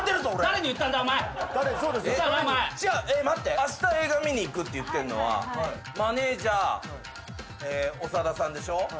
あした映画見に行くって言ってんのはマネージャー長田さんでしょ。